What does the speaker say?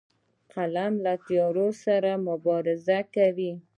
قلم له تیارو سره مبارزه کوي